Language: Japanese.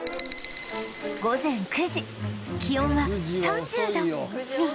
午前９時気温は３０度９時遅い。